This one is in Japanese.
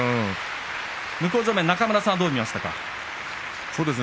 中村さんはどう見ましたか。